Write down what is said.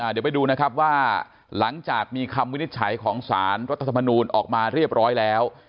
เดี๋ยวไปดูนะครับว่าหลังจากมีคำวินิจฉัยของสารรัฐธรรมนูลออกมาเรียบร้อยแล้ว